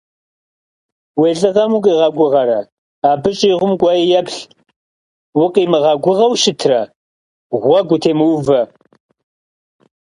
Vui lh'ığem vukhiğeguğere, abı şığuem k'uei yêplh, vukhimığeguğeu şıtre, ğuegu vutêmıuve.